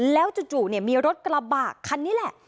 แล้วจู่มีรถกระบะคันนี้แหละ